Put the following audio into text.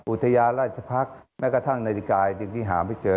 อุทยานราชพักษ์แม้กระทั่งนาฬิกาหนึ่งที่หาไม่เจอ